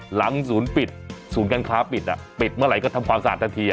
หลังศูนย์ปิดศูนย์การค้าปิดปิดเมื่อไหร่ก็ทำความสะอาดทันที